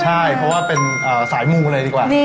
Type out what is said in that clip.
ใช่เพราะว่าเป็นสายมูเลยดีกว่า